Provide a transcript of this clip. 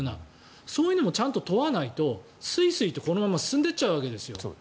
そういうのもちゃんと問わないとすいすいとこのまま進んで行っちゃうわけですよ。